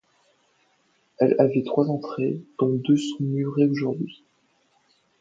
Elle avait trois entrées, dont deux sont murées aujourd'hui.